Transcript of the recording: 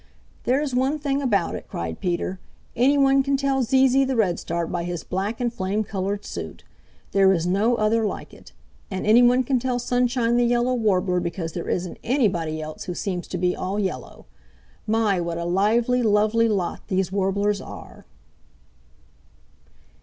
"There's one thing about it," cried Peter. "Any one can tell Zee Zee the Redstart by his black and flame colored suit. There is no other like it. And any one can tell Sunshine the Yellow Warbler because there isn't anybody else who seems to be all yellow. My, what a lively, lovely lot these Warblers are!"